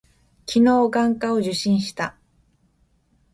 昨日、眼科を受診した。